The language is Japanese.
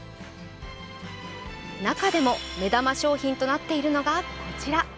中でも目玉商品となっているのが、こちら。